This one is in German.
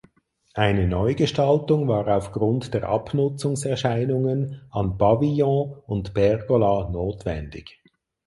Eine Neugestaltung war aufgrund der Abnutzungserscheinungen an Pavillon und Pergola notwendig.